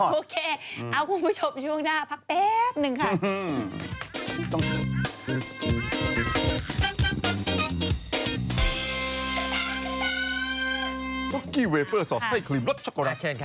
โอเคเอาคุณผู้ชมช่วงหน้าพักแป๊บหนึ่งค่ะ